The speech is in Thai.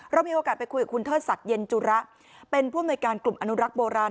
เรามีโอกาสไปคุยกับคุณเทิดศักดิ์เย็นจุระเป็นผู้อำนวยการกลุ่มอนุรักษ์โบราณ